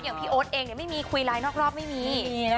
พี่โอ๊ตเองไม่มีคุยไลน์นอกรอบไม่มี